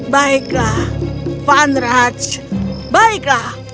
baiklah vanraj baiklah